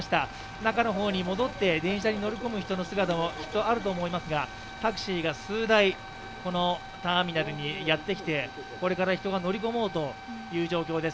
中の方に戻って電車に乗り込む人の姿もきっとあると思いますが、タクシーが数台このターミナルにやってきて、これから人が乗り込もうという状況です。